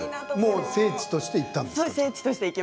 聖地として行ったんですね。